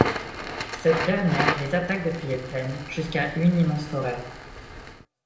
Cette dernière les attaque depuis les plaines, jusqu'à un immense forêt.